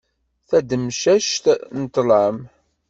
Tademcact n ṭlam.